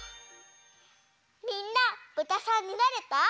みんなぶたさんになれた？